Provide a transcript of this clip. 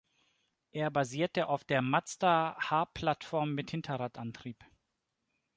Er basierte auf der Mazda-H-Plattform mit Hinterradantrieb.